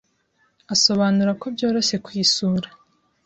asobanura ko byoroshye kuyisura